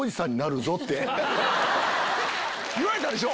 言われたでしょ？